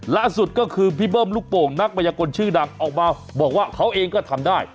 ล่าสุดก็คือพี่เบิ้มลูกโป่งนักบรรยากลชื่อดังออกมาบอกว่าเขาเองก็ทำได้